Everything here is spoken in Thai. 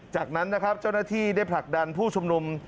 จากนั้นนะครับเจ้าหน้าที่ได้ผลักดันผู้ชุมนุม